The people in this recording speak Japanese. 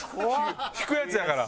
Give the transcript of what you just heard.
引くやつやから。